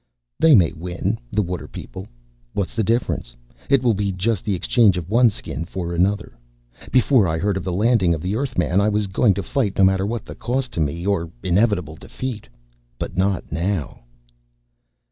"They may win, the water people. What's the difference? It will be just the exchange of one Skin for another. Before I heard of the landing of the Earthman I was going to fight no matter what the cost to me or inevitable defeat. But not now."